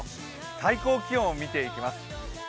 最高気温を見ていきます。